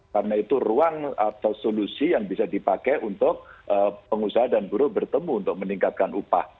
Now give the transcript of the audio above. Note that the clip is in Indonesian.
karena itu ruang atau solusi yang bisa dipakai untuk pengusaha dan guru bertemu untuk meningkatkan upah